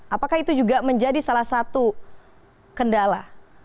apakah itu juga menjadi salah satu kendala